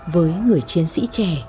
với người chiến sĩ trẻ